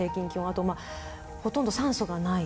あとほとんど酸素がない。